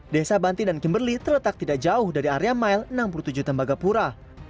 desa banti dan kimberley terletak tidak jauh dari area mile enam puluh tujuh tembagapura